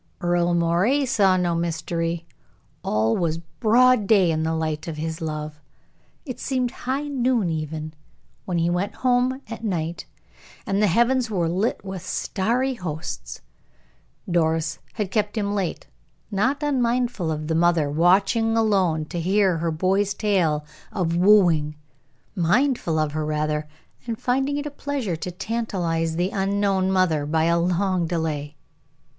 Earle Moray saw no mystery; all was broad day in the light of his love. It seemed high noon even, when he went home at night, and the heavens were lit with starry hosts. Doris had kept him late, not unmindful of the mother watching alone to hear her boy's tale of wooing, mindful of her, rather, and finding it a pleasure to tantalize the unknown mother by a long delay.